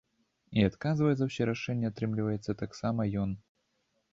І адказвае за ўсе рашэнні, атрымліваецца, таксама ён.